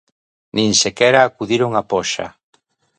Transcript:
Nin sequera acudiron á poxa.